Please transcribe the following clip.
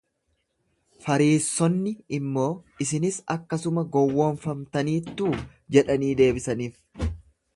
Fariissonni immoo, Isinis akkasuma gowwoofamtaniittuu jedhanii deebisaniif.